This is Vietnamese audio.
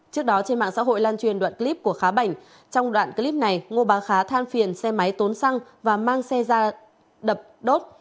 trước đó trên mạng xã hội lan truyền đoạn clip của khá bảnh trong đoạn clip này ngô bà khá than phiền xe máy tốn xăng và mang xe ra đập đốt